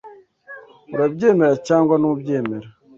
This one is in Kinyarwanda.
Urabyemera cyangwa ntubyemera?